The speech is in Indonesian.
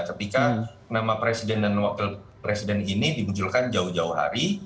ketika nama presiden dan wakil presiden ini dimunculkan jauh jauh hari